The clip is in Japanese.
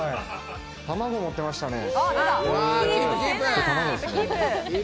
卵、持ってましたね。